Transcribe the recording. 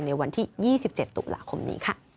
ในวันที่๒๗ตุลาคมนี้ค่ะ